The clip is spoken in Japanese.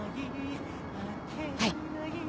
はい。